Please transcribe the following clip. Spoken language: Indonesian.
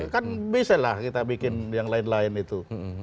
kan bisa lah kita bikin yang lain lain itu